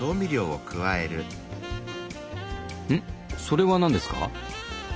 それは何ですか？